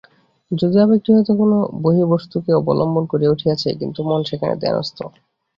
যদিও এ আবেগটি হয়তো কোন বহির্বস্তুকে অবলম্বন করিয়া উঠিয়াছে, কিন্তু মন সেখানে ধ্যানস্থ।